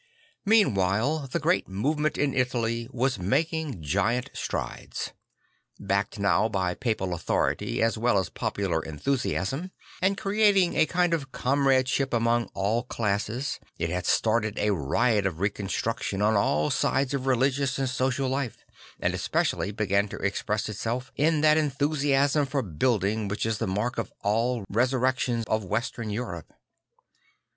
Meanwhile the great movement in Italy was Inaking giant strides. Backed now by papal authority a well as popular enthusiasm, and creating a kind of comradeship among all classes, it had started a riot of reconstruction on all sides of religious and social life; and especially began to express itself in that enthusiasm for building which is the mark of all the resur rections of Western Europe.